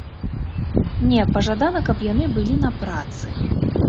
Не, пажадана, каб яны былі на працы.